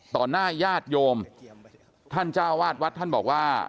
หน้าญาติโยมท่านเจ้าวาดวัดท่านบอกว่า